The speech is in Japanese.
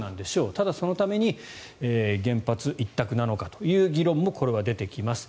ただ、そのために原発一択なのかという議論もこれは出てきます。